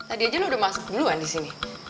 tadi aja lo udah masuk duluan disini